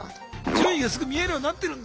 順位がすぐ見えるようになってるんだ。